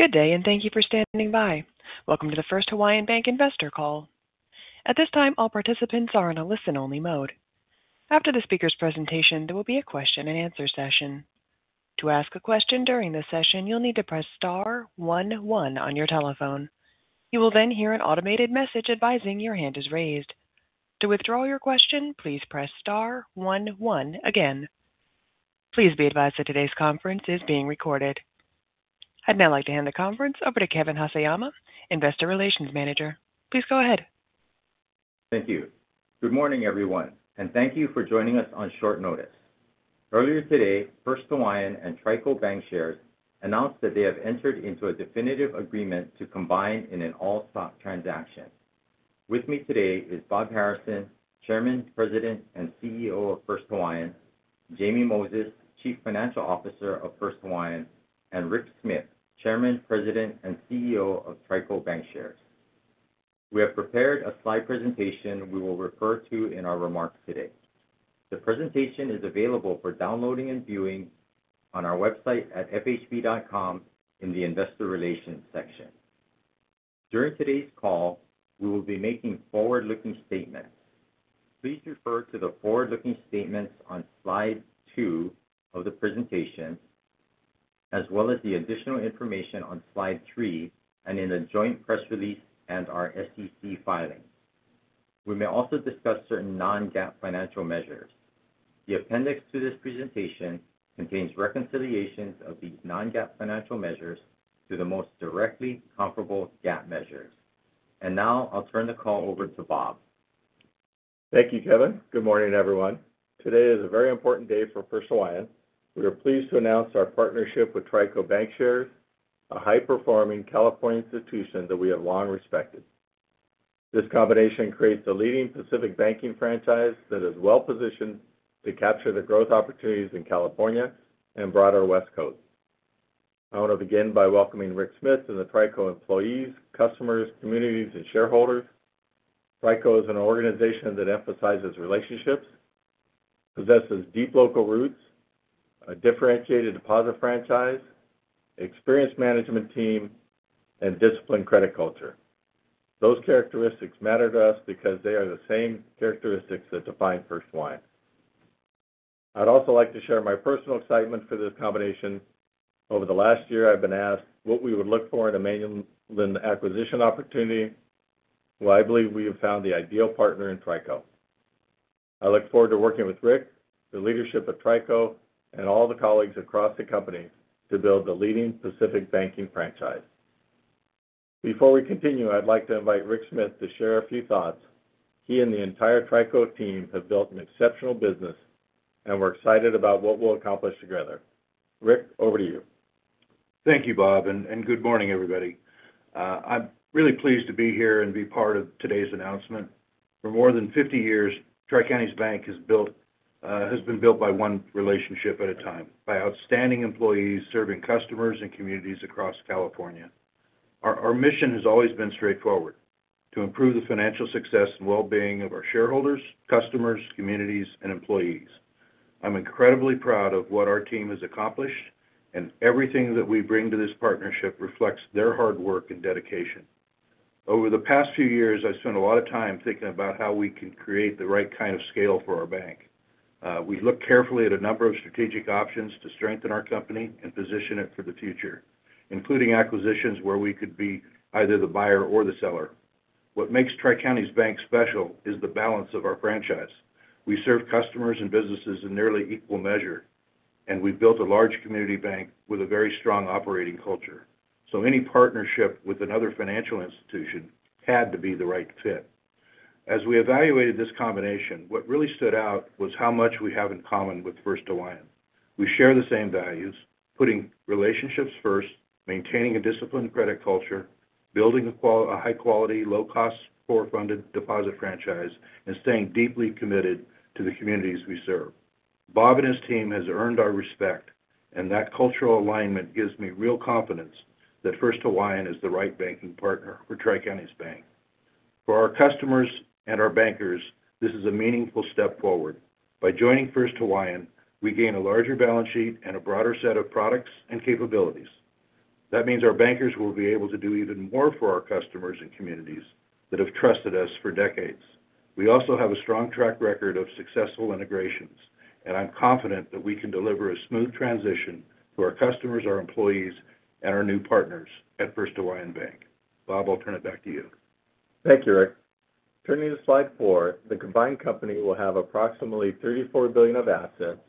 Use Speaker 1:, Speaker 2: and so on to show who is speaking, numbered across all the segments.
Speaker 1: Good day and thank you for standing by. Welcome to the First Hawaiian Bank investor call. At this time, all participants are in a listen-only mode. After the speaker's presentation, there will be a question and answer session. To ask a question during the session, you'll need to press star one one on your telephone. You will then hear an automated message advising your hand is raised. To withdraw your question, please press star one one again. Please be advised that today's conference is being recorded. I'd now like to hand the conference over to Kevin Haseyama, Investor Relations Manager. Please go ahead.
Speaker 2: Thank you. Good morning, everyone. Thank you for joining us on short notice. Earlier today, First Hawaiian and TriCo Bancshares announced that they have entered into a definitive agreement to combine in an all-stock transaction. With me today is Bob Harrison, Chairman, President, and CEO of First Hawaiian, Jamie Moses, Chief Financial Officer of First Hawaiian, and Rick Smith, Chairman, President, and CEO of TriCo Bancshares. We have prepared a slide presentation we will refer to in our remarks today. The presentation is available for downloading and viewing on our website at fhb.com in the investor relations section. During today's call, we will be making forward-looking statements. Please refer to the forward-looking statements on slide two of the presentation, as well as the additional information on slide three and in the joint press release and our SEC filings. We may also discuss certain non-GAAP financial measures. The appendix to this presentation contains reconciliations of these non-GAAP financial measures to the most directly comparable GAAP measures. Now I'll turn the call over to Bob.
Speaker 3: Thank you, Kevin. Good morning, everyone. Today is a very important day for First Hawaiian. We are pleased to announce our partnership with TriCo Bancshares, a high-performing California institution that we have long respected. This combination creates the leading Pacific banking franchise that is well-positioned to capture the growth opportunities in California and broader West Coast. I want to begin by welcoming Rick Smith and the TriCo employees, customers, communities, and shareholders. TriCo is an organization that emphasizes relationships, possesses deep local roots, a differentiated deposit franchise, experienced management team, and disciplined credit culture. Those characteristics matter to us because they are the same characteristics that define First Hawaiian. I'd also like to share my personal excitement for this combination. Over the last year, I've been asked what we would look for in a meaningful acquisition opportunity. Well, I believe we have found the ideal partner in TriCo. I look forward to working with Rick, the leadership at TriCo, and all the colleagues across the company to build the leading Pacific banking franchise. Before we continue, I'd like to invite Rick Smith to share a few thoughts. He and the entire TriCo team have built an exceptional business, and we're excited about what we'll accomplish together. Rick, over to you.
Speaker 4: Thank you, Bob. Good morning, everybody. I'm really pleased to be here and be part of today's announcement. For more than 50 years, Tri Counties Bank has been built by one relationship at a time, by outstanding employees serving customers and communities across California. Our mission has always been straightforward, to improve the financial success and well-being of our shareholders, customers, communities, and employees. Everything that we bring to this partnership reflects their hard work and dedication. Over the past few years, I've spent a lot of time thinking about how we can create the right kind of scale for our bank. We look carefully at a number of strategic options to strengthen our company and position it for the future, including acquisitions where we could be either the buyer or the seller. What makes Tri Counties Bank special is the balance of our franchise. We serve customers and businesses in nearly equal measure. We've built a large community bank with a very strong operating culture. Any partnership with another financial institution had to be the right fit. As we evaluated this combination, what really stood out was how much we have in common with First Hawaiian. We share the same values, putting relationships first, maintaining a disciplined credit culture, building a high quality, low cost, core funded deposit franchise, staying deeply committed to the communities we serve. Bob and his team has earned our respect. That cultural alignment gives me real confidence that First Hawaiian is the right banking partner for Tri Counties Bank. For our customers and our bankers, this is a meaningful step forward. By joining First Hawaiian, we gain a larger balance sheet and a broader set of products and capabilities. That means our bankers will be able to do even more for our customers and communities that have trusted us for decades. We also have a strong track record of successful integrations. I'm confident that we can deliver a smooth transition to our customers, our employees, and our new partners at First Hawaiian Bank. Bob, I'll turn it back to you.
Speaker 3: Thank you, Rick. Turning to slide four, the combined company will have approximately $34 billion of assets,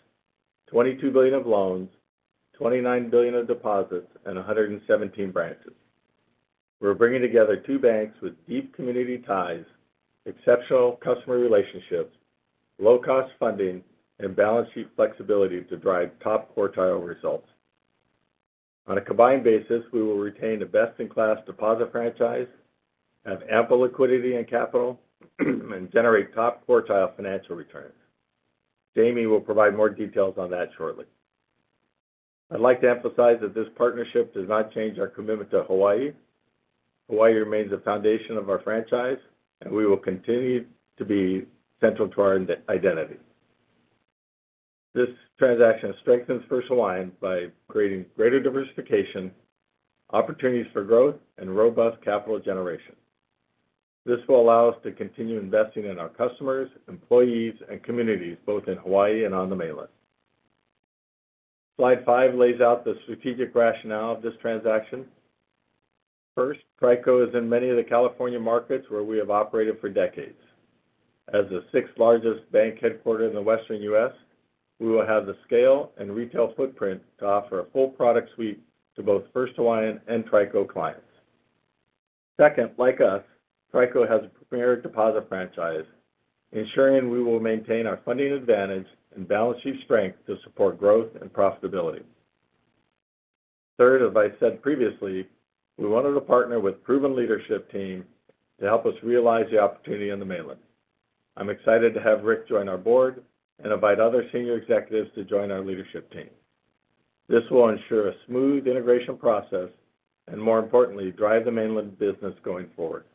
Speaker 3: $22 billion of loans, $29 billion of deposits, and 117 branches. We're bringing together two banks with deep community ties, exceptional customer relationships, low cost funding, and balance sheet flexibility to drive top quartile results. On a combined basis, we will retain a best in class deposit franchise, have ample liquidity and capital, and generate top quartile financial returns. Jamie will provide more details on that shortly. I'd like to emphasize that this partnership does not change our commitment to Hawaii. Hawaii remains the foundation of our franchise, and we will continue to be central to our identity. This transaction strengthens First Hawaiian by creating greater diversification, opportunities for growth, and robust capital generation. This will allow us to continue investing in our customers, employees, and communities, both in Hawaii and on the Mainland. Slide five lays out the strategic rationale of this transaction. First, TriCo is in many of the California markets where we have operated for decades. As the sixth-largest bank headquartered in the Western U.S., we will have the scale and retail footprint to offer a full product suite to both First Hawaiian and TriCo clients. Second, like us, TriCo has a premier deposit franchise, ensuring we will maintain our funding advantage and balance sheet strength to support growth and profitability. Third, as I said previously, we wanted to partner with proven leadership team to help us realize the opportunity on the Mainland. I'm excited to have Rick join our board and invite other senior executives to join our leadership team. This will ensure a smooth integration process, and more importantly, drive the Mainland business going forward.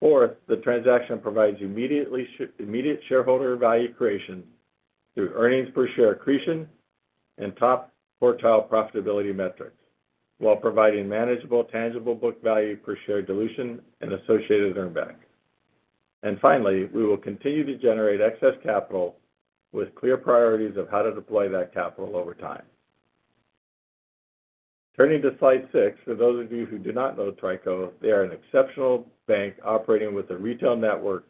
Speaker 3: Fourth, the transaction provides immediate shareholder value creation through earnings per share accretion and top quartile profitability metrics while providing manageable tangible book value per share dilution and associated earnback. Finally, we will continue to generate excess capital with clear priorities of how to deploy that capital over time. Turning to slide six, for those of you who do not know TriCo, they are an exceptional bank operating with a retail network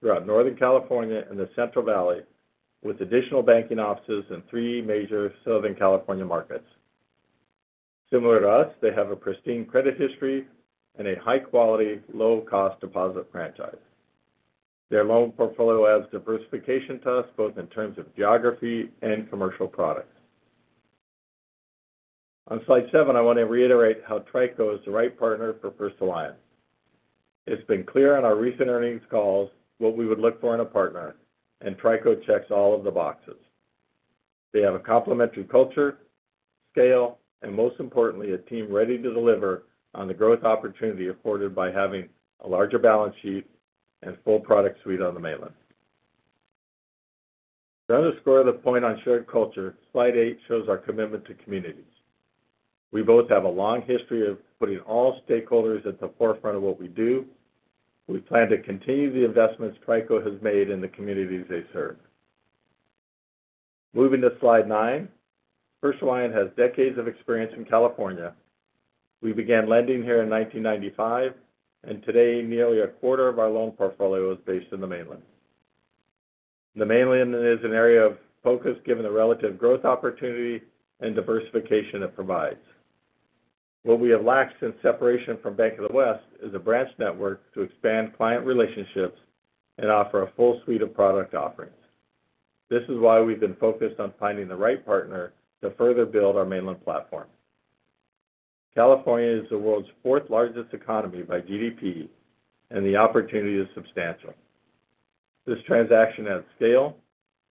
Speaker 3: throughout Northern California and the Central Valley, with additional banking offices in three major Southern California markets. Similar to us, they have a pristine credit history and a high-quality, low-cost deposit franchise. Their loan portfolio adds diversification to us, both in terms of geography and commercial products. On slide seven, I want to reiterate how TriCo is the right partner for First Hawaiian. It's been clear on our recent earnings calls what we would look for in a partner, and TriCo checks all of the boxes. They have a complementary culture, scale, and most importantly, a team ready to deliver on the growth opportunity afforded by having a larger balance sheet and full product suite on the Mainland. To underscore the point on shared culture, slide eight shows our commitment to communities. We both have a long history of putting all stakeholders at the forefront of what we do. We plan to continue the investments TriCo has made in the communities they serve. Moving to slide nine, First Hawaiian has decades of experience in California. We began lending here in 1995, and today, nearly a quarter of our loan portfolio is based on the Mainland. The Mainland is an area of focus given the relative growth opportunity and diversification it provides. What we have lacked since separation from Bank of the West is a branch network to expand client relationships and offer a full suite of product offerings. This is why we've been focused on finding the right partner to further build our Mainland platform. California is the world's fourth-largest economy by GDP, and the opportunity is substantial. This transaction adds scale,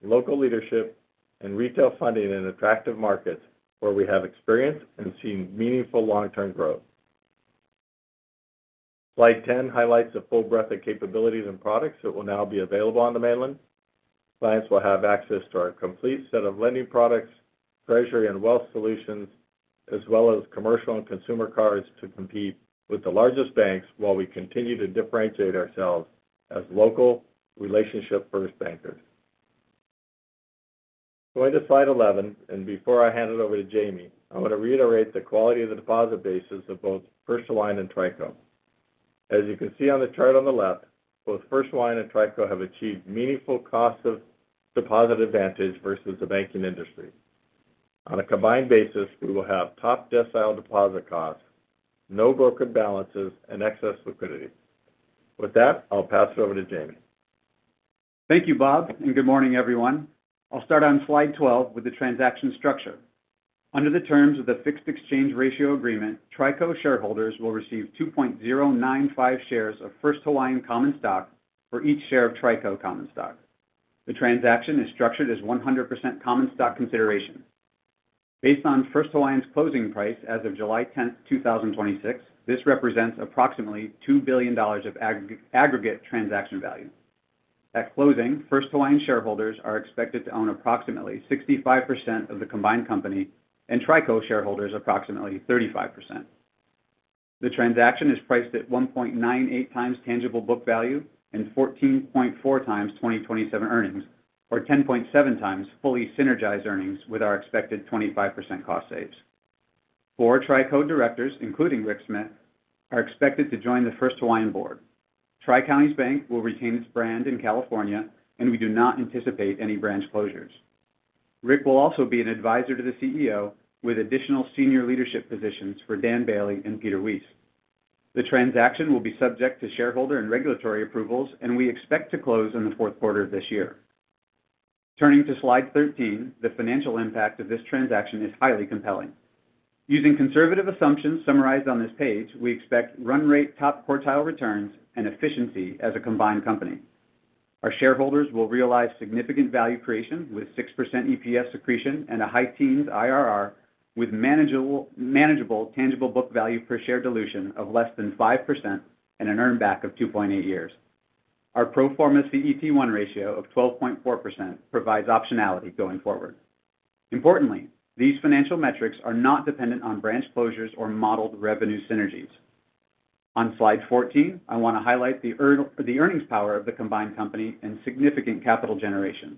Speaker 3: local leadership, and retail funding in attractive markets where we have experience and seen meaningful long-term growth. Slide 10 highlights the full breadth of capabilities and products that will now be available on the Mainland. Clients will have access to our complete set of lending products, treasury and wealth solutions, as well as commercial and consumer cards to compete with the largest banks while we continue to differentiate ourselves as local relationship-first bankers. Going to slide 11, before I hand it over to Jamie, I want to reiterate the quality of the deposit basis of both First Hawaiian and TriCo. As you can see on the chart on the left, both First Hawaiian and TriCo have achieved meaningful cost of deposit advantage versus the banking industry. On a combined basis, we will have top decile deposit costs, no broken balances, and excess liquidity. With that, I'll pass it over to Jamie.
Speaker 5: Thank you, Bob, good morning, everyone. I'll start on slide 12 with the transaction structure. Under the terms of the fixed exchange ratio agreement, TriCo shareholders will receive 2.095 shares of First Hawaiian common stock for each share of TriCo common stock. The transaction is structured as 100% common stock consideration. Based on First Hawaiian's closing price as of July 10th, 2026, this represents approximately $2 billion of aggregate transaction value. At closing, First Hawaiian shareholders are expected to own approximately 65% of the combined company, and TriCo shareholders approximately 35%. The transaction is priced at 1.98x tangible book value and 14.4x 2027 earnings or 10.7x fully synergized earnings with our expected 25% cost saves. Four TriCo Directors, including Rick Smith, are expected to join the First Hawaiian Board. Tri Counties Bank will retain its brand in California, we do not anticipate any branch closures. Rick will also be an advisor to the CEO with additional senior leadership positions for Dan Bailey and Peter Wiese. The transaction will be subject to shareholder and regulatory approvals, we expect to close in the fourth quarter of this year. Turning to slide 13, the financial impact of this transaction is highly compelling. Using conservative assumptions summarized on this page, we expect run rate top quartile returns and efficiency as a combined company. Our shareholders will realize significant value creation with 6% EPS accretion and a high teens IRR with manageable tangible book value per share dilution of less than 5% and an earn back of 2.8 years. Our pro forma CET1 ratio of 12.4% provides optionality going forward. Importantly, these financial metrics are not dependent on branch closures or modeled revenue synergies. On slide 14, I want to highlight the earnings power of the combined company and significant capital generation.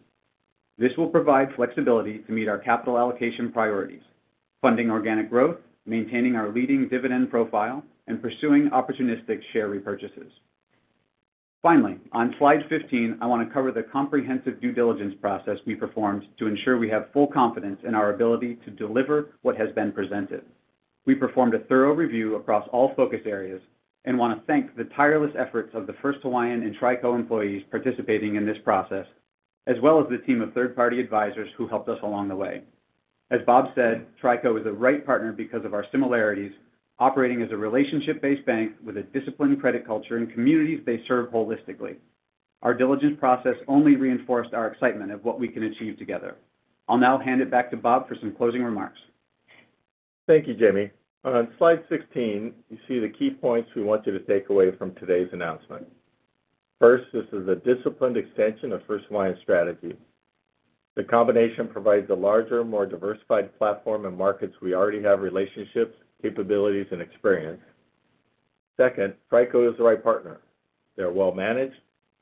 Speaker 5: This will provide flexibility to meet our capital allocation priorities, funding organic growth, maintaining our leading dividend profile, and pursuing opportunistic share repurchases. Finally, on slide 15, I want to cover the comprehensive due diligence process we performed to ensure we have full confidence in our ability to deliver what has been presented. We performed a thorough review across all focus areas and want to thank the tireless efforts of the First Hawaiian and TriCo employees participating in this process, as well as the team of third-party advisors who helped us along the way. As Bob said, TriCo is the right partner because of our similarities, operating as a relationship-based bank with a disciplined credit culture in communities they serve holistically. Our diligence process only reinforced our excitement of what we can achieve together. I'll now hand it back to Bob for some closing remarks.
Speaker 3: Thank you, Jamie. On slide 16, you see the key points we want you to take away from today's announcement. First, this is a disciplined extension of First Hawaiian strategy. The combination provides a larger, more diversified platform in markets we already have relationships, capabilities, and experience. Second, TriCo is the right partner. They're well-managed,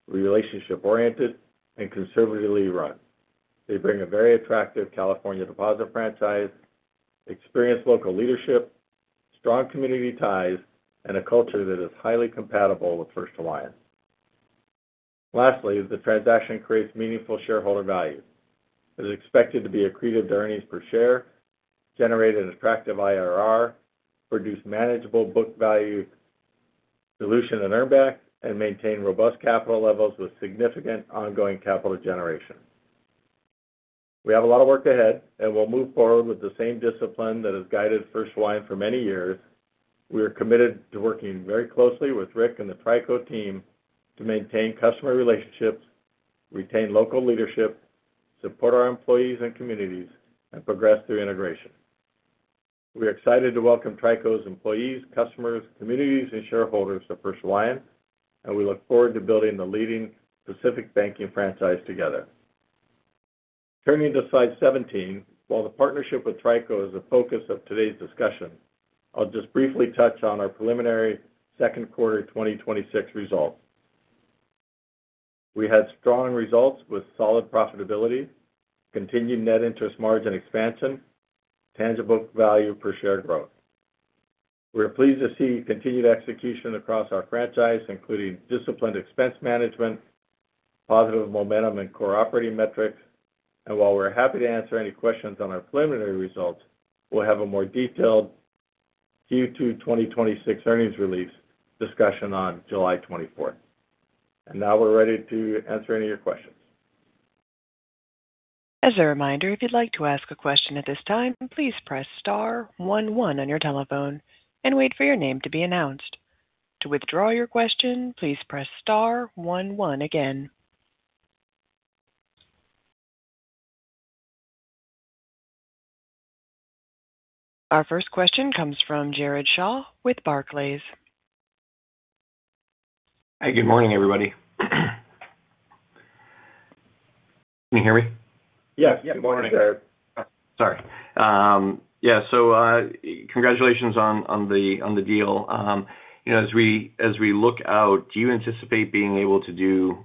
Speaker 3: relationship-oriented, and conservatively run. They bring a very attractive California deposit franchise, experienced local leadership, strong community ties, and a culture that is highly compatible with First Hawaiian. Lastly, the transaction creates meaningful shareholder value. It is expected to be accretive to earnings per share, generate an attractive IRR, produce manageable book value dilution and earn back, and maintain robust capital levels with significant ongoing capital generation. We have a lot of work ahead, and we'll move forward with the same discipline that has guided First Hawaiian for many years. We are committed to working very closely with Rick and the TriCo team to maintain customer relationships, retain local leadership, support our employees and communities, and progress through integration. We're excited to welcome TriCo's employees, customers, communities, and shareholders to First Hawaiian, and we look forward to building the leading Pacific banking franchise together. Turning to slide 17, while the partnership with TriCo is the focus of today's discussion, I'll just briefly touch on our preliminary second quarter 2026 results. We had strong results with solid profitability, continued net interest margin expansion, tangible value per share growth. We're pleased to see continued execution across our franchise, including disciplined expense management, positive momentum in core operating metrics, and while we're happy to answer any questions on our preliminary results, we'll have a more detailed Q2 2026 earnings release discussion on July 24th. Now we're ready to answer any of your questions.
Speaker 1: As a reminder, if you'd like to ask a question at this time, please press star one one on your telephone and wait for your name to be announced. To withdraw your question, please press star one one again. Our first question comes from Jared Shaw with Barclays.
Speaker 6: Hi. Good morning, everybody. Can you hear me?
Speaker 3: Yes. Good morning, Jared.
Speaker 6: Sorry. Yeah, congratulations on the deal. As we look out, do you anticipate being able to do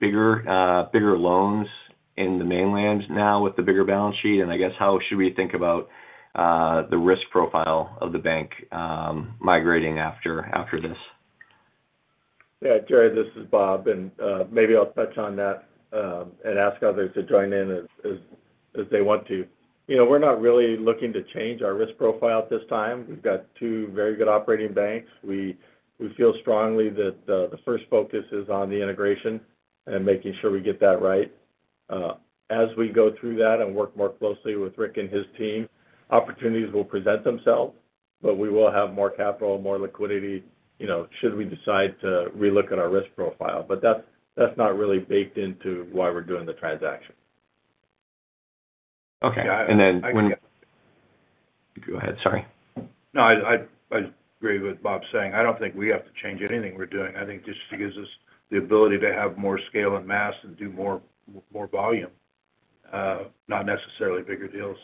Speaker 6: bigger loans in the Mainland now with the bigger balance sheet? And I guess how should we think about the risk profile of the bank migrating after this?
Speaker 3: Yeah, Jared, this is Bob. Maybe I'll touch on that and ask others to join in if they want to. We're not really looking to change our risk profile at this time. We've got two very good operating banks. We feel strongly that the first focus is on the integration and making sure we get that right. As we go through that and work more closely with Rick and his team, opportunities will present themselves, but we will have more capital, more liquidity should we decide to relook at our risk profile. That's not really baked into why we're doing the transaction.
Speaker 6: Okay. Then when-
Speaker 4: I-
Speaker 6: Go ahead, sorry.
Speaker 4: No, I agree with what Bob's saying. I don't think we have to change anything we're doing. I think this just gives us the ability to have more scale and mass and do more volume, not necessarily bigger deals.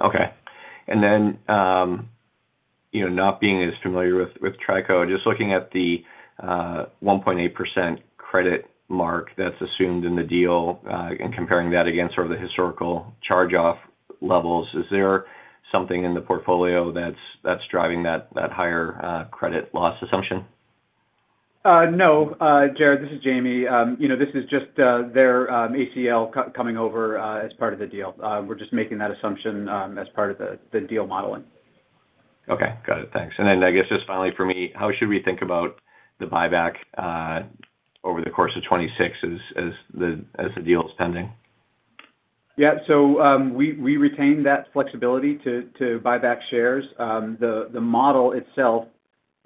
Speaker 6: Okay. Not being as familiar with TriCo, just looking at the 1.8% credit mark that's assumed in the deal and comparing that against sort of the historical charge-off levels. Is there something in the portfolio that's driving that higher credit loss assumption?
Speaker 5: No, Jared, this is Jamie. This is just their ACL coming over as part of the deal. We're just making that assumption as part of the deal modeling.
Speaker 6: Okay. Got it. Thanks. I guess just finally for me, how should we think about the buyback over the course of 2026 as the deal's pending?
Speaker 5: Yeah. We retain that flexibility to buy back shares. The model itself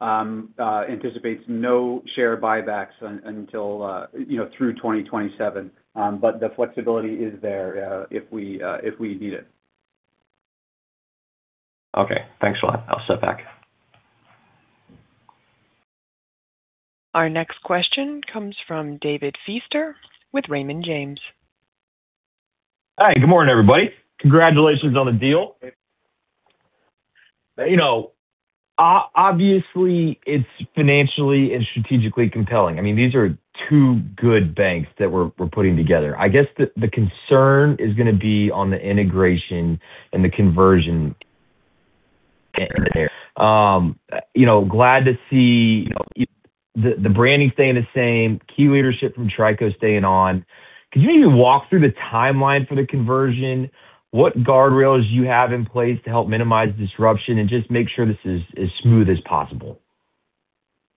Speaker 5: anticipates no share buybacks through 2027. The flexibility is there if we need it.
Speaker 6: Okay. Thanks a lot. I'll step back.
Speaker 1: Our next question comes from David Feaster with Raymond James.
Speaker 7: Hi, good morning, everybody. Congratulations on the deal. Obviously, it's financially and strategically compelling. These are two good banks that we're putting together. I guess the concern is going to be on the integration and the conversion there. Glad to see the branding staying the same, key leadership from TriCo staying on. Could you maybe walk through the timeline for the conversion, what guardrails you have in place to help minimize disruption and just make sure this is as smooth as possible?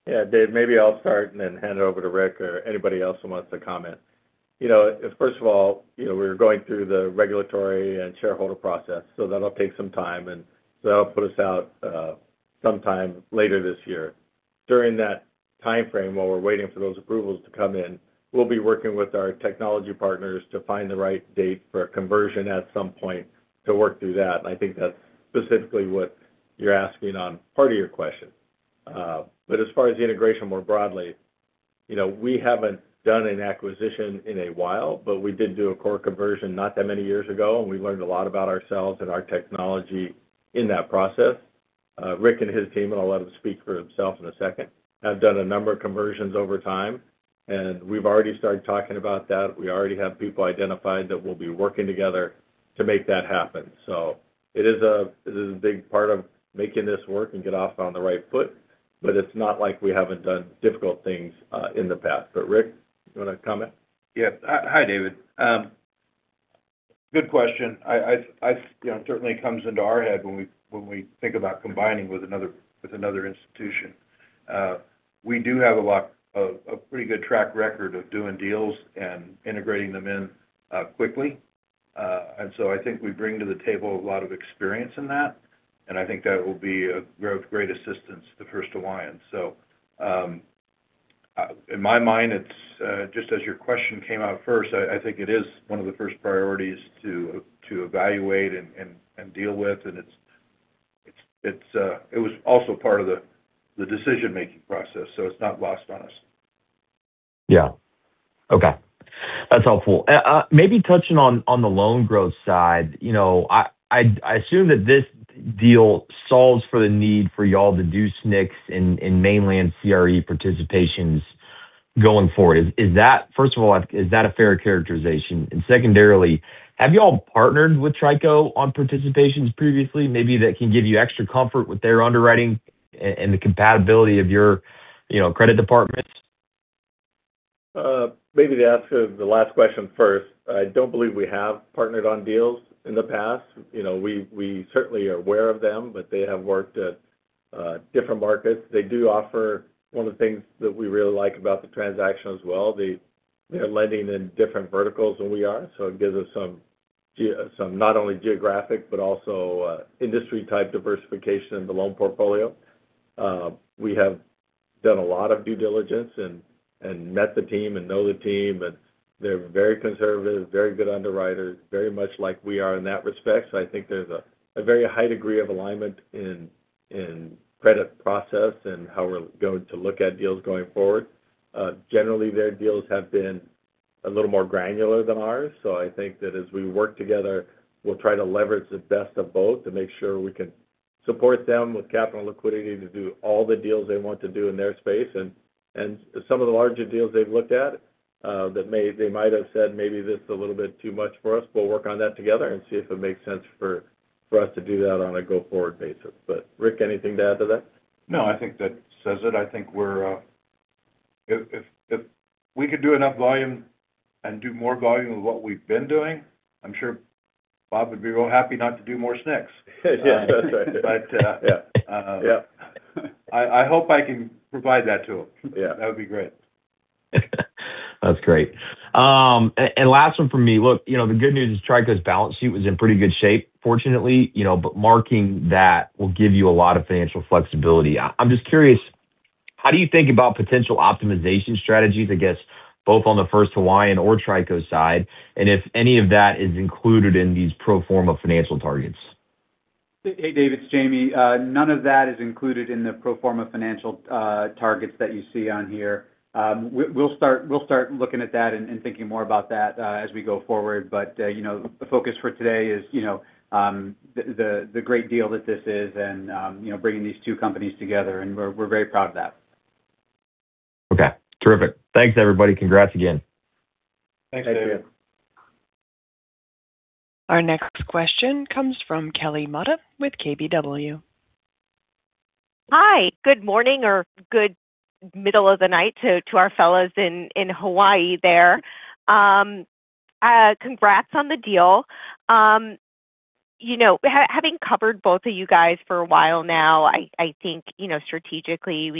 Speaker 3: David, maybe I'll start and then hand it over to Rick or anybody else who wants to comment. First of all, we're going through the regulatory and shareholder process, so that'll take some time. That'll put us out sometime later this year. During that timeframe, while we're waiting for those approvals to come in, we'll be working with our technology partners to find the right date for a conversion at some point to work through that. I think that's specifically what you're asking on part of your question. As far as the integration more broadly, we haven't done an acquisition in a while, but we did do a core conversion not that many years ago, and we learned a lot about ourselves and our technology in that process. Rick and his team, and I'll let him speak for himself in a second, have done a number of conversions over time, and we've already started talking about that. We already have people identified that will be working together to make that happen. It is a big part of making this work and get off on the right foot, but it's not like we haven't done difficult things in the past. Rick, you want to comment?
Speaker 4: Yes. Hi, David. Good question. It certainly comes into our head when we think about combining with another institution. We do have a pretty good track record of doing deals and integrating them in quickly. I think we bring to the table a lot of experience in that, and I think that will be of great assistance to First Hawaiian. In my mind, just as your question came out first, I think it is one of the first priorities to evaluate and deal with. It was also part of the decision-making process. It's not lost on us.
Speaker 7: Yeah. Okay. That's helpful. Maybe touching on the loan growth side, I assume that this deal solves for the need for you all to do SNCs in Mainland CRE participations going forward. First of all, is that a fair characterization? Secondarily, have you all partnered with TriCo on participations previously? Maybe that can give you extra comfort with their underwriting and the compatibility of your credit departments?
Speaker 3: Maybe to answer the last question first, I don't believe we have partnered on deals in the past. We certainly are aware of them. They have worked at different markets. They do offer one of the things that we really like about the transaction as well. They're lending in different verticals than we are. It gives us some not only geographic but also industry type diversification in the loan portfolio. We have done a lot of due diligence and met the team and know the team, and they're very conservative, very good underwriters, very much like we are in that respect. I think there's a very high degree of alignment in credit process and how we're going to look at deals going forward. Generally, their deals have been a little more granular than ours. I think that as we work together, we'll try to leverage the best of both to make sure we can support them with capital liquidity to do all the deals they want to do in their space. Some of the larger deals they've looked at that they might have said, "Maybe this is a little bit too much for us," we'll work on that together and see if it makes sense for us to do that on a go-forward basis. Rick, anything to add to that?
Speaker 4: No, I think that says it. I think if we could do enough volume and do more volume of what we've been doing, I'm sure Bob would be real happy not to do more SNCs.
Speaker 3: Yeah. That's right.
Speaker 4: I hope I can provide that to him.
Speaker 3: Yeah. That would be great.
Speaker 7: That's great. Last one from me. Look, the good news is TriCo's balance sheet was in pretty good shape, fortunately, but marking that will give you a lot of financial flexibility. I'm just curious, how do you think about potential optimization strategies, I guess, both on the First Hawaiian or TriCo side? And if any of that is included in these pro forma financial targets?
Speaker 5: Hey, David, it's Jamie. None of that is included in the pro forma financial targets that you see on here. We'll start looking at that and thinking more about that as we go forward. The focus for today is the great deal that this is and bringing these two companies together, and we're very proud of that.
Speaker 7: Okay. Terrific. Thanks, everybody. Congrats again.
Speaker 3: Thanks, David.
Speaker 4: Thanks, David.
Speaker 1: Our next question comes from Kelly Motta with KBW.
Speaker 8: Hi, good morning or good middle of the night to our fellows in Hawaii there. Congrats on the deal. Having covered both of you guys for a while now, I think strategically,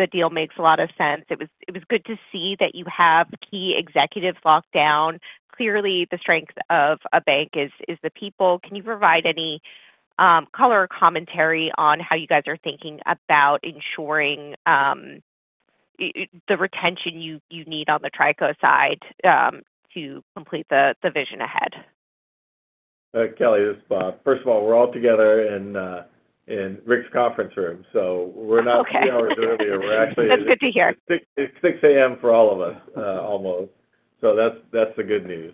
Speaker 8: the deal makes a lot of sense. It was good to see that you have key executives locked down. Clearly, the strength of a bank is the people. Can you provide any color or commentary on how you guys are thinking about ensuring the retention you need on the TriCo side to complete the vision ahead?
Speaker 3: Kelly, this is Bob. First of all, we're all together in Rick's conference room, so we're not-
Speaker 8: Okay.
Speaker 3: two hours earlier. We're actually-
Speaker 8: That's good to hear.
Speaker 3: It's 6:00 A.M. for all of us, almost. That's the good news.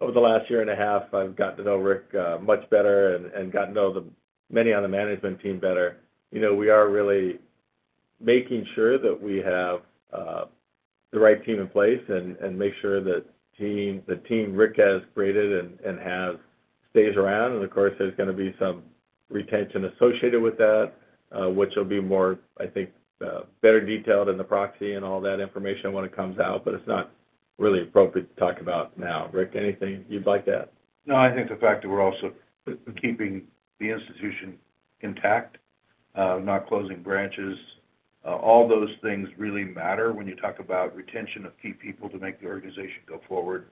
Speaker 3: Over the last year and a half, I've gotten to know Rick much better and gotten to know many on the management team better. We are really making sure that we have the right team in place and make sure that the team Rick has created and have, stays around. Of course, there's going to be some retention associated with that, which will be more, I think, better detailed in the proxy and all that information when it comes out, but it's not really appropriate to talk about now. Rick, anything you'd like to add?
Speaker 4: No, I think the fact that we're also keeping the institution intact, not closing branches, all those things really matter when you talk about retention of key people to make the organization go forward.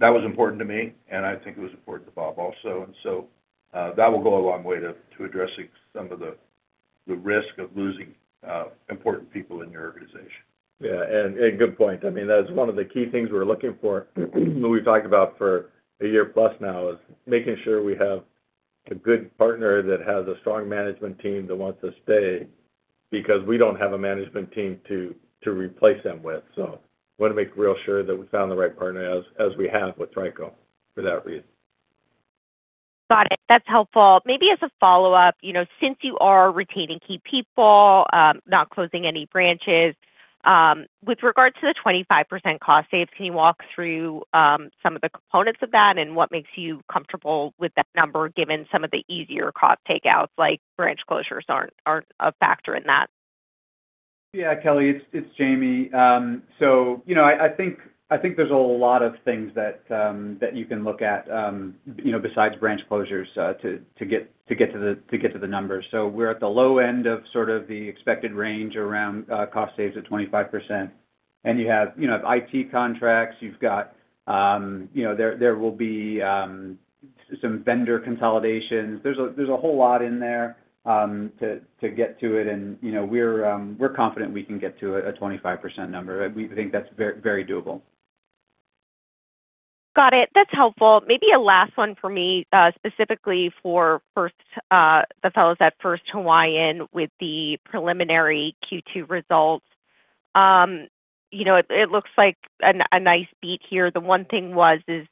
Speaker 4: That was important to me, and I think it was important to Bob also. That will go a long way to addressing some of the risk of losing important people in your organization.
Speaker 3: Yeah, good point. That's one of the key things we're looking for that we've talked about for a year plus now, is making sure we have a good partner that has a strong management team that wants to stay, because we don't have a management team to replace them with. Want to make real sure that we found the right partner, as we have with TriCo, for that reason.
Speaker 8: Got it. That's helpful. Maybe as a follow-up, since you are retaining key people, not closing any branches, with regard to the 25% cost saves, can you walk through some of the components of that and what makes you comfortable with that number? Given some of the easier cost takeouts, like branch closures aren't a factor in that?
Speaker 5: Kelly, it's Jamie. I think there's a lot of things that you can look at besides branch closures to get to the numbers. We're at the low end of sort of the expected range around cost saves of 25%. You have IT contracts, there will be some vendor consolidations. There's a whole lot in there to get to it, and we're confident we can get to a 25% number. We think that's very doable.
Speaker 8: Got it. That's helpful. Maybe a last one for me, specifically for the fellows at First Hawaiian with the preliminary Q2 results. It looks like a nice beat here. The one thing was is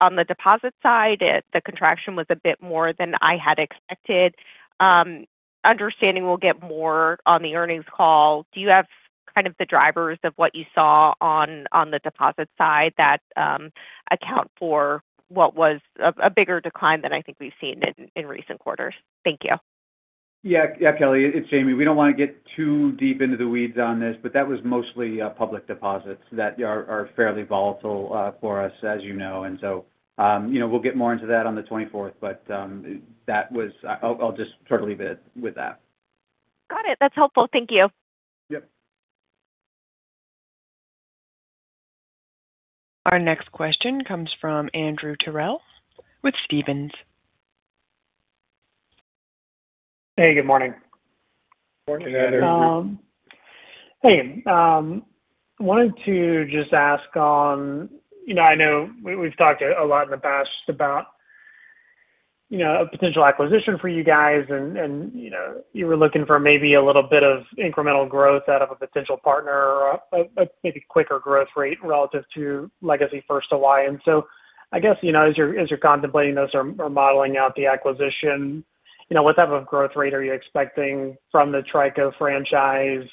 Speaker 8: on the deposit side, the contraction was a bit more than I had expected. Understanding we'll get more on the earnings call, do you have the drivers of what you saw on the deposit side that account for what was a bigger decline than I think we've seen in recent quarters? Thank you.
Speaker 5: Yeah. Kelly, it's Jamie. We don't want to get too deep into the weeds on this, that was mostly public deposits that are fairly volatile for us, as you know. We'll get more into that on the 24th, I'll just sort of leave it with that.
Speaker 8: Got it. That's helpful. Thank you.
Speaker 5: Yep.
Speaker 1: Our next question comes from Andrew Terrell with Stephens.
Speaker 9: Hey, good morning.
Speaker 3: Morning, Andrew.
Speaker 4: Good morning, Andrew.
Speaker 9: Hey. I wanted to just ask on, I know we've talked a lot in the past about a potential acquisition for you guys, and you were looking for maybe a little bit of incremental growth out of a potential partner or maybe quicker growth rate relative to legacy First Hawaiian. I guess, as you're contemplating those or modeling out the acquisition, what type of growth rate are you expecting from the TriCo franchise?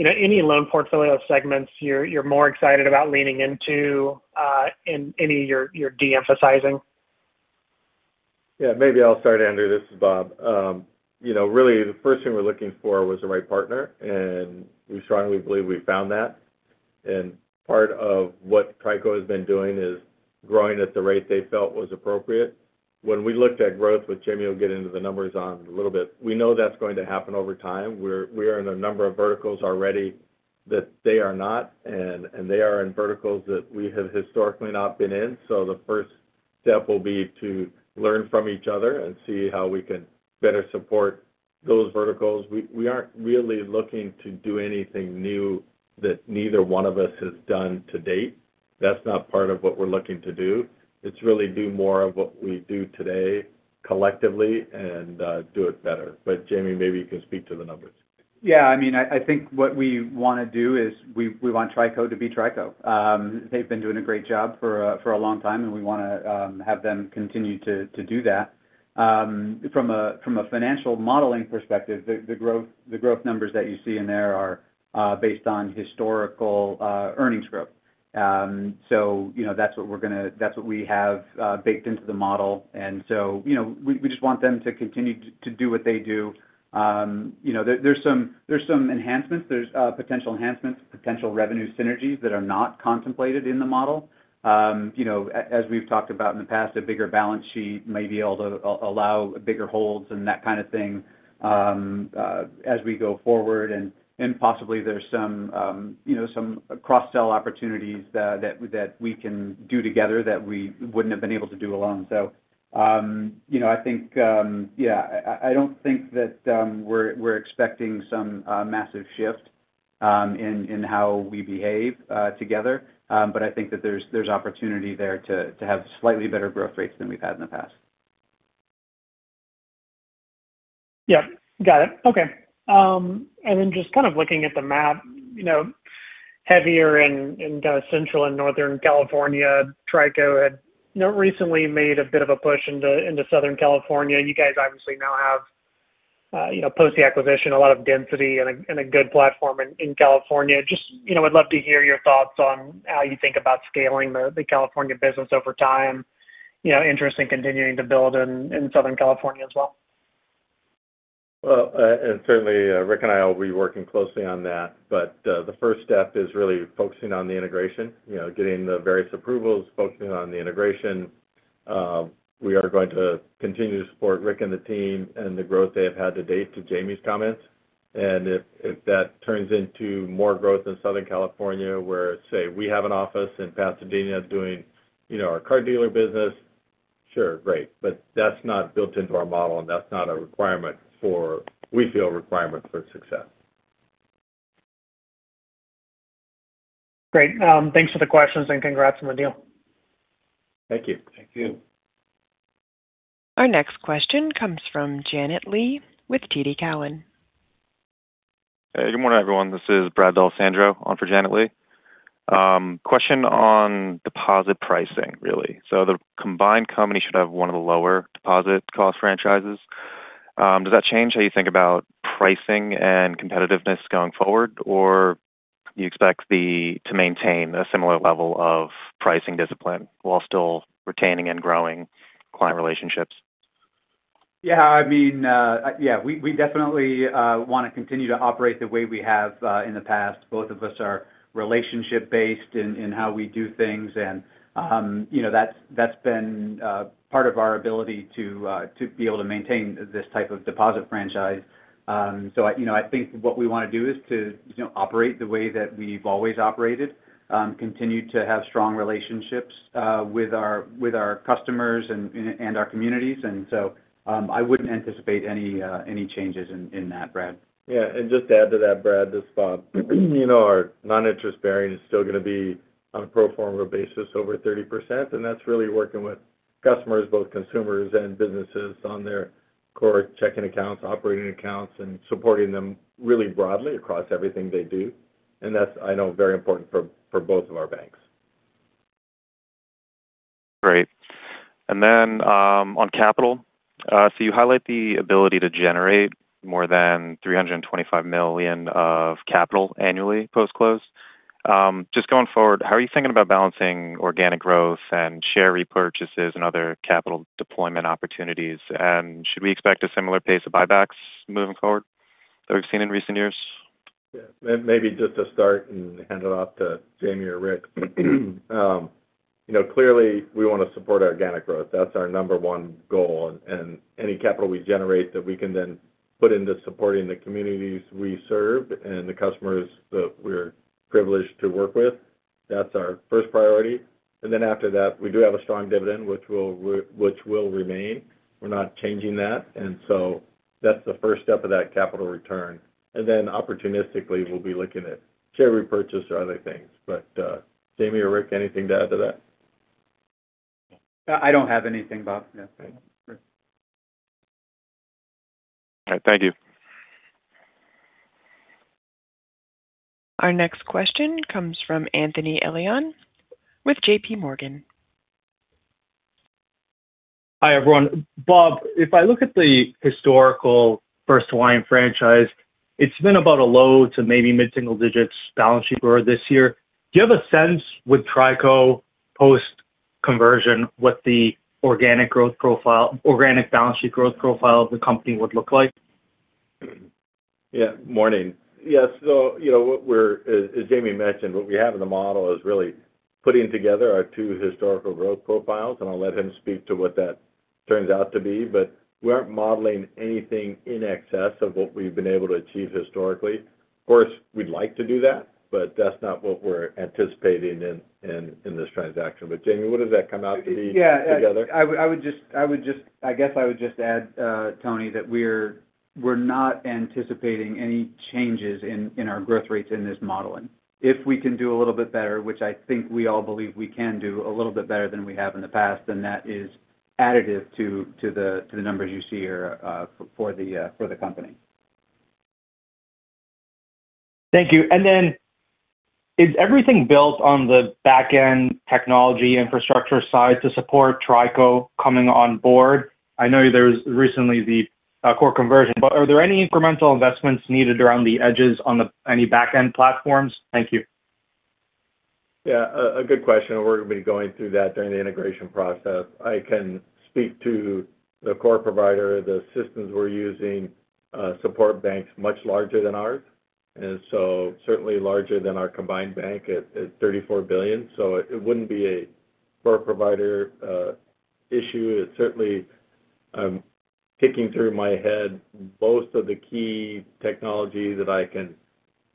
Speaker 9: Any loan portfolio segments you're more excited about leaning into, and any you're de-emphasizing?
Speaker 3: Yeah, maybe I'll start, Andrew. This is Bob. Really, the first thing we were looking for was the right partner, and we strongly believe we've found that. Part of what TriCo has been doing is growing at the rate they felt was appropriate. When we looked at growth, which Jamie will get into the numbers on in a little bit, we know that's going to happen over time. We are in a number of verticals already that they are not, and they are in verticals that we have historically not been in. The first step will be to learn from each other and see how we can better support those verticals. We aren't really looking to do anything new that neither one of us has done to date. That's not part of what we're looking to do. It's really do more of what we do today collectively and do it better. Jamie, maybe you can speak to the numbers.
Speaker 5: Yeah, I think what we want to do is we want TriCo to be TriCo. They've been doing a great job for a long time, and we want to have them continue to do that. From a financial modeling perspective, the growth numbers that you see in there are based on historical earnings growth. That's what we have baked into the model, we just want them to continue to do what they do. There's some enhancements. There's potential enhancements, potential revenue synergies that are not contemplated in the model. As we've talked about in the past, a bigger balance sheet may be able to allow bigger holds and that kind of thing as we go forward. Possibly, there's some cross-sell opportunities that we can do together that we wouldn't have been able to do alone. I think, I don't think that we're expecting some massive shift in how we behave together. I think that there's opportunity there to have slightly better growth rates than we've had in the past.
Speaker 9: Yeah. Got it. Okay. Just kind of looking at the map, heavier in Central and Northern California, TriCo had recently made a bit of a push into Southern California. You guys obviously now have post-the acquisition, a lot of density and a good platform in California. Just would love to hear your thoughts on how you think about scaling the California business over time. Interest in continuing to build in Southern California as well.
Speaker 3: Certainly, Rick and I will be working closely on that. The first step is really focusing on the integration, getting the various approvals, focusing on the integration. We are going to continue to support Rick and the team and the growth they have had to date to Jamie's comments. If that turns into more growth in Southern California, where, say, we have an office in Pasadena doing our car dealer business, sure, great. That's not built into our model and that's not a requirement for success.
Speaker 9: Great. Thanks for the questions and congrats on the deal.
Speaker 3: Thank you.
Speaker 4: Thank you.
Speaker 1: Our next question comes from Janet Lee with TD Cowen.
Speaker 10: Hey, good morning, everyone. This is Brad D'Alessandro on for Janet Lee. Question on deposit pricing, really. The combined company should have one of the lower deposit cost franchises. Does that change how you think about pricing and competitiveness going forward? Do you expect to maintain a similar level of pricing discipline while still retaining and growing client relationships?
Speaker 5: Yeah. We definitely want to continue to operate the way we have in the past. Both of us are relationship based in how we do things, and that's been part of our ability to be able to maintain this type of deposit franchise. I think what we want to do is to operate the way that we've always operated, continue to have strong relationships with our customers and our communities. So, I wouldn't anticipate any changes in that, Brad.
Speaker 3: Yeah. Just to add to that, Brad, this is Bob. Our non-interest bearing is still going to be on a pro forma basis over 30%, and that's really working with customers, both consumers and businesses, on their core checking accounts, operating accounts, and supporting them really broadly across everything they do. That's, I know, very important for both of our banks.
Speaker 10: Great. Then, on capital. You highlight the ability to generate more than $325 million of capital annually post-close. Just going forward, how are you thinking about balancing organic growth and share repurchases and other capital deployment opportunities? Should we expect a similar pace of buybacks moving forward that we've seen in recent years?
Speaker 3: Yeah. Maybe just to start and hand it off to Jamie or Rick. Clearly, we want to support organic growth. That's our number one goal. Any capital we generate that we can then put into supporting the communities we serve and the customers that we're privileged to work with, that's our first priority. Then after that, we do have a strong dividend, which will remain. We're not changing that. So that's the first step of that capital return. Then opportunistically, we'll be looking at share repurchase or other things. Jamie or Rick, anything to add to that?
Speaker 5: I don't have anything, Bob. No.
Speaker 3: Okay. Great.
Speaker 10: All right. Thank you.
Speaker 1: Our next question comes from Anthony Elian with JPMorgan.
Speaker 11: Hi, everyone. Bob, if I look at the historical First Hawaiian franchise, it's been about a low to maybe mid-single digits balance sheet growth this year. Do you have a sense with TriCo post conversion, what the organic growth profile, organic balance sheet growth profile of the company would look like?
Speaker 3: Yeah. Morning. Yes. As Jamie mentioned, what we have in the model is really putting together our two historical growth profiles, and I'll let him speak to what that turns out to be. We aren't modeling anything in excess of what we've been able to achieve historically. Of course, we'd like to do that, but that's not what we're anticipating in this transaction. Jamie, what does that come out to be together?
Speaker 5: Yeah. I guess I would just add, Anthony, that we're not anticipating any changes in our growth rates in this modeling. If we can do a little bit better, which I think we all believe we can do a little bit better than we have in the past, then that is additive to the numbers you see here for the company.
Speaker 11: Thank you. Is everything built on the back-end technology infrastructure side to support TriCo coming on board? I know there's recently the core conversion, are there any incremental investments needed around the edges on the any back-end platforms? Thank you.
Speaker 3: Yeah, a good question. We're going to be going through that during the integration process. I can speak to the core provider. The systems we're using support banks much larger than ours, certainly larger than our combined bank at $34 billion. It wouldn't be a core provider issue. It's certainly kicking through my head both of the key technology that I can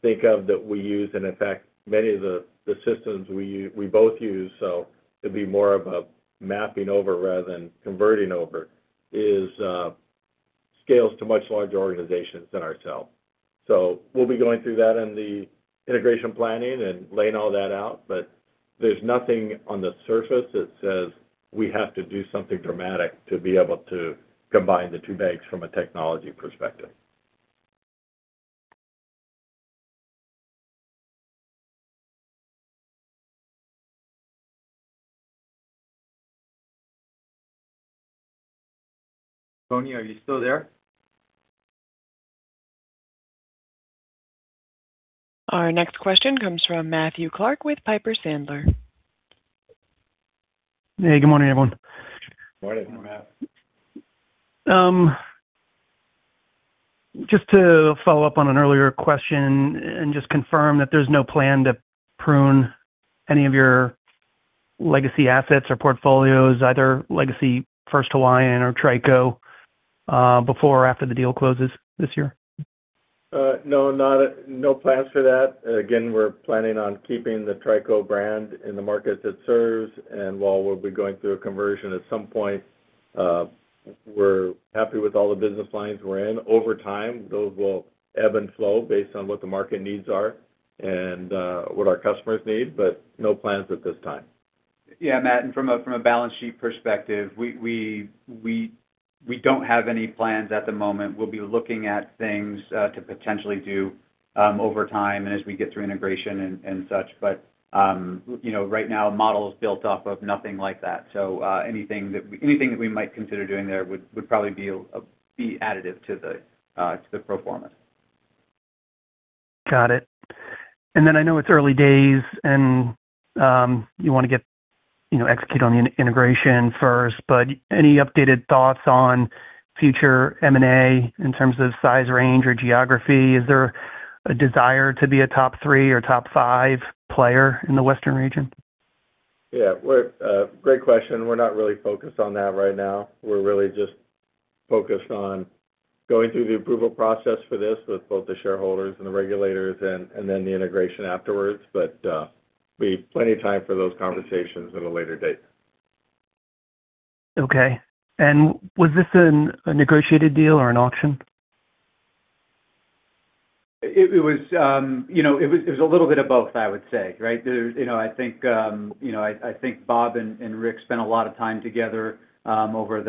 Speaker 3: think of that we use, and in fact, many of the systems we both use, so it'd be more of a mapping over rather than converting over, is scales to much larger organizations than ourselves. We'll be going through that in the integration planning and laying all that out. There's nothing on the surface that says we have to do something dramatic to be able to combine the two banks from a technology perspective.
Speaker 5: Anthony, are you still there?
Speaker 1: Our next question comes from Matthew Clark with Piper Sandler.
Speaker 12: Hey, good morning, everyone.
Speaker 3: Morning, Matthew.
Speaker 12: Just to follow up on an earlier question to confirm that there's no plan to prune any of your legacy assets or portfolios, either legacy First Hawaiian or TriCo, before or after the deal closes this year?
Speaker 3: No plans for that. We're planning on keeping the TriCo brand in the markets it serves. While we'll be going through a conversion at some point, we're happy with all the business lines we're in. Over time, those will ebb and flow based on what the market needs are and what our customers need. No plans at this time.
Speaker 5: Yeah, Matthew, from a balance sheet perspective, we don't have any plans at the moment. We'll be looking at things to potentially do over time as we get through integration and such. Right now, model is built off of nothing like that. Anything that we might consider doing there would probably be additive to the pro forma.
Speaker 12: Got it. I know it's early days, and you want to execute on the integration first, but any updated thoughts on future M&A in terms of size, range, or geography? Is there a desire to be a top three or top five player in the western region?
Speaker 3: Yeah. Great question. We're not really focused on that right now. We're really just focused on going through the approval process for this with both the shareholders and the regulators and then the integration afterwards. We have plenty of time for those conversations at a later date.
Speaker 12: Okay. Was this a negotiated deal or an auction?
Speaker 5: It was a little bit of both, I would say, right? I think Bob and Rick spent a lot of time together over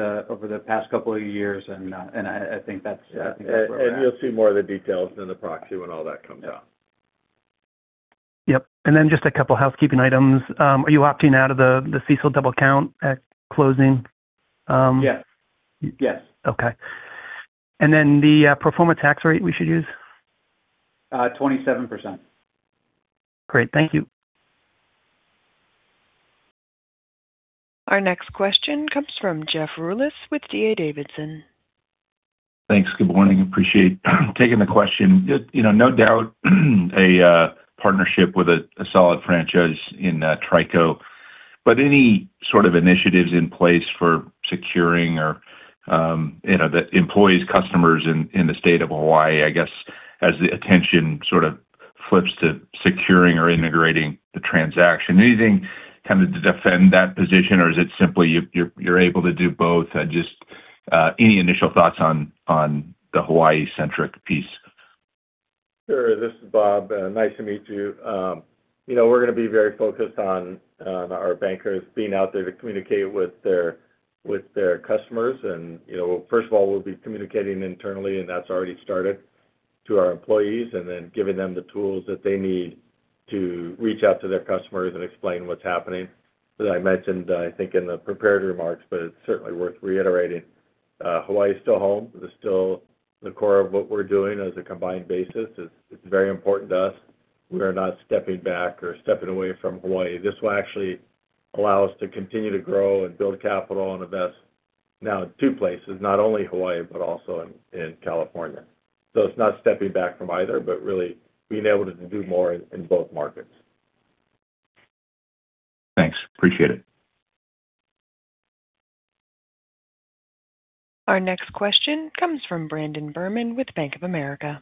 Speaker 5: the past couple of years, and I think that's where we're at.
Speaker 3: You'll see more of the details in the proxy when all that comes out.
Speaker 12: Yep. Just a couple housekeeping items. Are you opting out of the CECL double count at closing?
Speaker 5: Yes.
Speaker 12: Okay. The pro forma tax rate we should use?
Speaker 5: 27%.
Speaker 12: Great. Thank you.
Speaker 1: Our next question comes from Jeff Rulis with D.A. Davidson.
Speaker 13: Thanks. Good morning. Appreciate taking the question. No doubt a partnership with a solid franchise in TriCo. Any sort of initiatives in place for securing or the employees, customers in the state of Hawaii, I guess, as the attention sort of flips to securing or integrating the transaction? Anything kind of to defend that position, or is it simply you're able to do both? Just any initial thoughts on the Hawaii-centric piece.
Speaker 3: Sure. This is Bob. Nice to meet you. We're going to be very focused on our bankers being out there to communicate with their customers. First of all, we'll be communicating internally, and that's already started to our employees, and then giving them the tools that they need to reach out to their customers and explain what's happening. As I mentioned, I think, in the prepared remarks, but it's certainly worth reiterating. Hawaii is still home. It is still the core of what we're doing as a combined basis. It's very important to us. We are not stepping back or stepping away from Hawaii. This will actually allow us to continue to grow and build capital and invest now in two places, not only Hawaii but also in California. It's not stepping back from either, but really being able to do more in both markets.
Speaker 13: Thanks. Appreciate it.
Speaker 1: Our next question comes from Brandon Berman with Bank of America.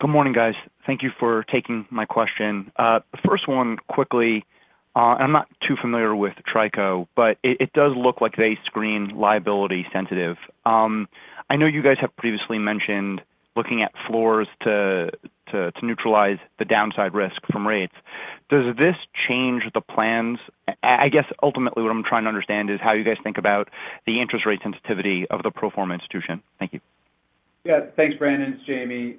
Speaker 14: Good morning, guys. Thank you for taking my question. The first one quickly. I'm not too familiar with TriCo, but it does look like they screen liability sensitive. I know you guys have previously mentioned looking at floors to neutralize the downside risk from rates. Does this change the plans? I guess ultimately what I'm trying to understand is how you guys think about the interest rate sensitivity of the pro forma institution? Thank you.
Speaker 5: Yeah. Thanks, Brandon. It's Jamie.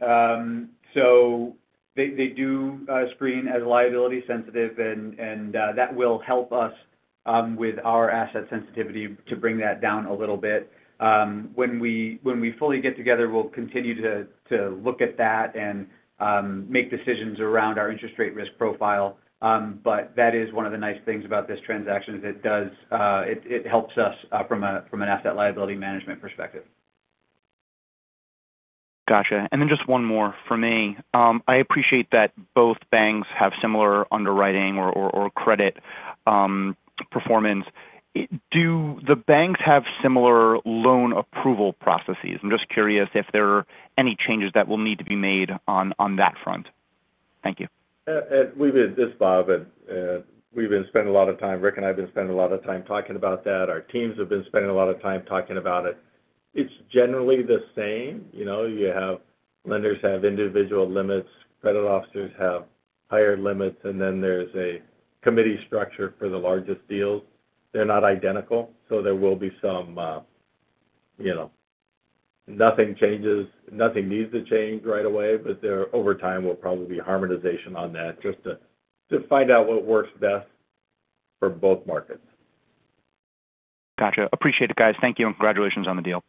Speaker 5: They do screen as liability sensitive, and that will help us with our asset sensitivity to bring that down a little bit. When we fully get together, we'll continue to look at that and make decisions around our interest rate risk profile. That is one of the nice things about this transaction, is it helps us from an asset liability management perspective.
Speaker 14: Got you. Then just one more from me. I appreciate that both banks have similar underwriting or credit performance. Do the banks have similar loan approval processes? I'm just curious if there are any changes that will need to be made on that front. Thank you.
Speaker 3: This is Bob. Rick and I have been spending a lot of time talking about that. Our teams have been spending a lot of time talking about it. It's generally the same. You have lenders have individual limits, credit officers have higher limits. Then there's a committee structure for the largest deals. They're not identical, so there will be some. Nothing needs to change right away, over time, there will probably be harmonization on that just to find out what works best for both markets.
Speaker 14: Got you. Appreciate it, guys. Thank you, congratulations on the deal.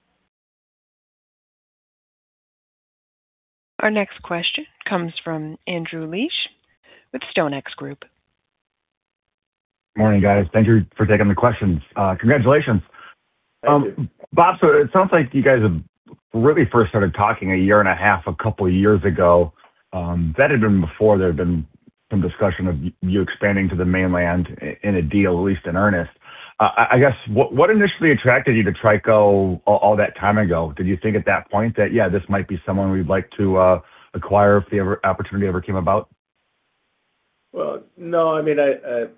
Speaker 1: Our next question comes from Andrew Liesch with StoneX Group.
Speaker 15: Morning, guys. Thank you for taking the questions. Congratulations.
Speaker 3: Thank you.
Speaker 15: Bob, it sounds like you guys have really first started talking a year and a half, a couple of years ago. That had been before there had been some discussion of you expanding to the Mainland in a deal, at least in earnest. I guess, what initially attracted you to TriCo all that time ago? Did you think at that point that, yeah, this might be someone we'd like to acquire if the opportunity ever came about?
Speaker 3: No.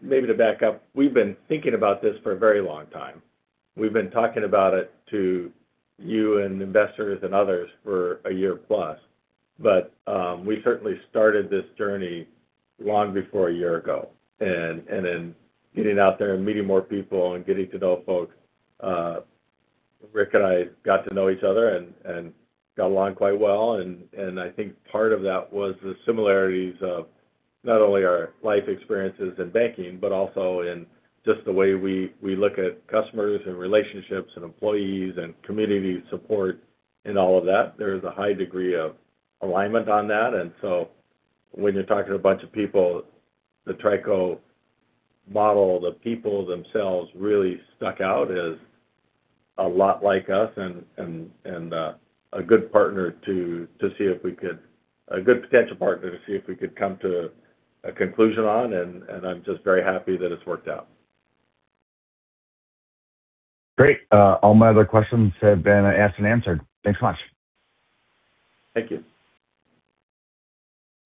Speaker 3: Maybe to back up, we've been thinking about this for a very long time. We've been talking about it to you and investors and others for a year plus. We certainly started this journey long before a year ago. Getting out there and meeting more people and getting to know folks. Rick and I got to know each other and got along quite well, and I think part of that was the similarities of not only our life experiences in banking, but also in just the way we look at customers and relationships and employees and community support in all of that. There's a high degree of alignment on that. When you're talking to a bunch of people, the TriCo model, the people themselves really stuck out as a lot like us and a good potential partner to see if we could come to a conclusion on. I'm just very happy that it's worked out.
Speaker 15: Great. All my other questions have been asked and answered. Thanks much.
Speaker 3: Thank you.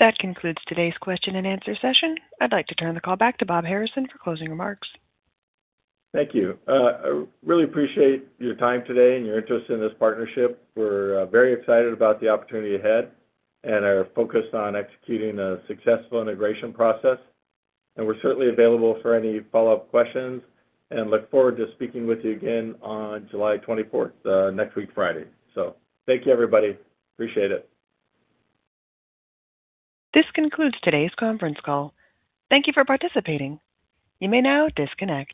Speaker 1: That concludes today's question and answer session. I'd like to turn the call back to Bob Harrison for closing remarks.
Speaker 3: Thank you. I really appreciate your time today and your interest in this partnership. We're very excited about the opportunity ahead and are focused on executing a successful integration process. We're certainly available for any follow-up questions and look forward to speaking with you again on July 24th, next week, Friday. Thank you, everybody. Appreciate it.
Speaker 1: This concludes today's conference call. Thank you for participating. You may now disconnect.